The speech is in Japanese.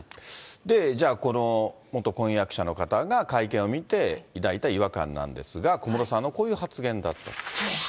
じゃあこの元婚約者の方が会見を見て抱いた違和感なんですが、小室さんのこういう発言だった。